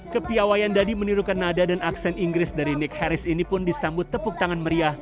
kepiawayan dadi menirukan nada dan aksen inggris dari nick harris ini pun disambut tepuk tangan meriah